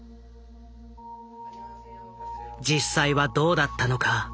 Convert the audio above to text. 実際はどうだったのか。